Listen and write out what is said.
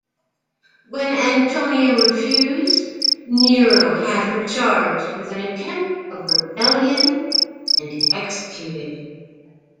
When Antonia refused, Nero had her charged with an attempt of rebellion and executed.